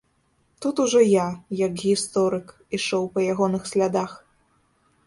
Тут ужо я, як гісторык, ішоў па ягоных слядах.